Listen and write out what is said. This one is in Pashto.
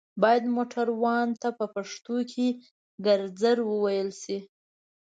بايد موټروان ته په پښتو کې ګرځر ووئيل شي